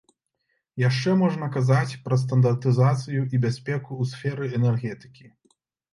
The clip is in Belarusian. Яшчэ можна казаць пра стандартызацыю і бяспеку ў сферы энергетыкі.